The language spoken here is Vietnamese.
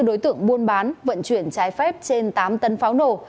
một trăm chín mươi bốn đối tượng buôn bán vận chuyển trái phép trên tám tấn pháo nổ